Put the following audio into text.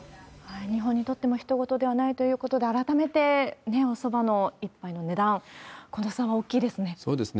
日本にとってもひと事ではないということで、改めて、おそばの一杯の値段、この差は大きいですね。